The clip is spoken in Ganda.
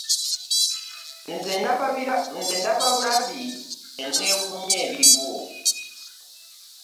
Nze ndaba bulabi ne nneewuunya ebiriwo.